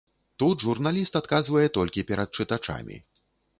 Тут журналіст адказвае толькі перад чытачамі.